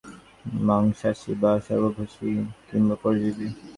এদের কেউ তৃণভোজী, অন্যরা মাংসাশী বা সর্বভোজী কিংবা পরজীবী।